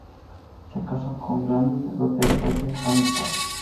Se casó con Gladys Ruth Fraser Hamilton.